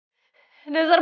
adsya allah cyan janjin